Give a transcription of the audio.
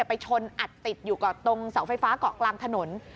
ไปชนอัดติดอยู่กับตรงเสาไฟฟ้าเกาะกลางถนน